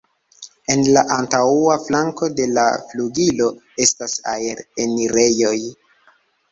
En la antaŭa flanko de la flugilo estas aer-enirejoj.